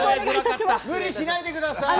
無理しないでください。